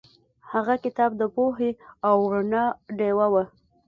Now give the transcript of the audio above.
هغه کتاب د پوهې او رڼا ډیوه وه.